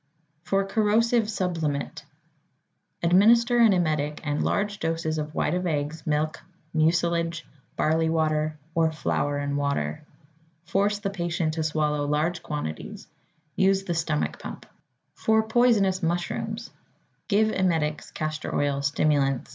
=For Corrosive Sublimate.= Administer an emetic and large doses of white of eggs, milk, mucilage, barley water, or flour and water. Force the patient to swallow large quantities. Use the stomach pump. =For Belladonna.= Give emetics and stimulants.